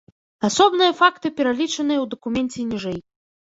Асобныя факты пералічаныя ў дакуменце ніжэй.